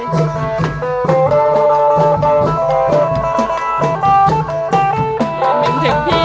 ระวังถึงที่